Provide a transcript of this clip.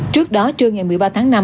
trước đó trưa ngày một mươi ba tháng năm